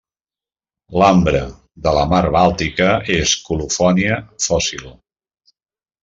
L'ambre de la mar Bàltica és colofònia fòssil.